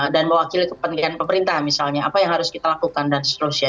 dan mewakili kepentingan pemerintah misalnya apa yang harus kita lakukan dan seterusnya